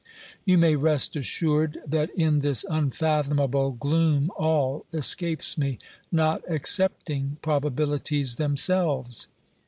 You may rest assured that in this unfathomable gloom all escapes me, not excepting probabilities themselves.